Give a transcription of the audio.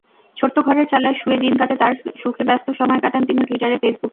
ছোট্ট ঘরের চালায় শুয়ে দিন কাটে তার সুখেব্যস্ত সময় কাটান তিনি টুইটারে-ফেসবুকে।